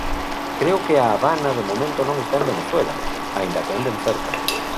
Creo que A Habana de momento non está en Venezuela, aínda que anden cerca.